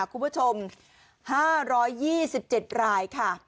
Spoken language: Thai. คุณผู้ชม๕๒๗รายค่ะ